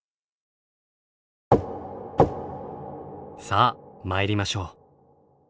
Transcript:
さあ参りましょう。